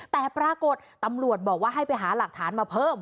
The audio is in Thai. แต่ปรากฏตำรวจบอกว่าให้ไปหาหลักฐานมาเพิ่ม